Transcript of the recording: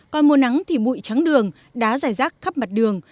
còn mùa nắng thì mụi trắng đường đá rải rác khắp mặt đường